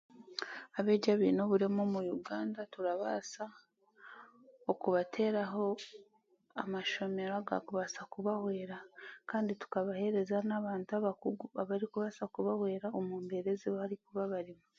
Abeegi abeine oburemu omu Uganda turabaasa okubateeraho amashomero agakubaasa kubahweera kandi tukabahereza n'abaantu abakugu abarikubasa kubahweera omu mbeera ezi barikuba bariimu.